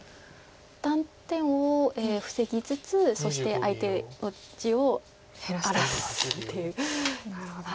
断点を防ぎつつそして相手の地を荒らすっていう。